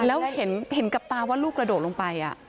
แล้วเห็นกับตาว่าลูกกระโดดลงไป